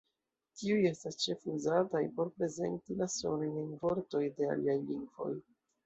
Tiuj estas ĉefe uzataj por prezenti la sonojn en vortoj de aliaj lingvoj.